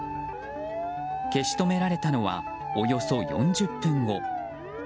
消し止められたのはおよそ４０分後。